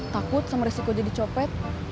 takut sama resiko jadi copet